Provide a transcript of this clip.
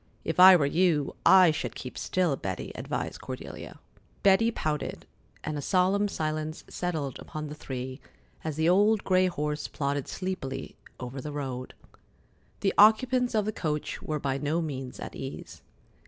"If I were you, I should keep still, Betty," advised Cordelia. Betty pouted, and a solemn silence settled upon the three as the old gray horse plodded sleepily over the road. The occupants of the coach were by no means at ease.